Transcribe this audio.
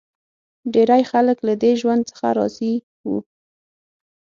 ډېری خلک له دې ژوند څخه راضي و.